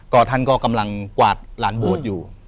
ก็ท่านก็กำลังกวาดลานโบสถ์อยู่